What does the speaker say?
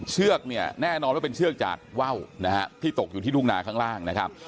เชือกเนี่ยแน่นอนว่าเป็นเชือกจากว่าวนะฮะที่ตกอยู่ที่ทุ่งนาข้างล่างนะครับ